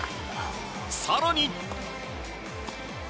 更に。